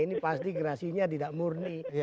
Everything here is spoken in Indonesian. ini pasti gerasinya tidak murni